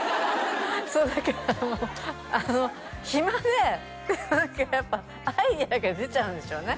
それだけ暇で何かやっぱアイデアが出ちゃうんでしょうね